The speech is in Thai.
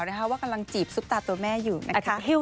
ว่ากำลังจีบซุปตาตัวแม่อยู่นะคะ